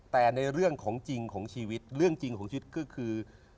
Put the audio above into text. แต่ในเรื่องของจริงของชีวิตเรื่องจริงของชีวิตก็คือ